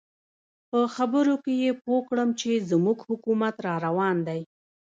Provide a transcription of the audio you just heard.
په خبرو کې یې پوه کړم چې زموږ حکومت را روان دی.